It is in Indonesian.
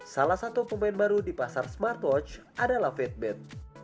salah satu pemain baru di pasar smartwatch adalah feedback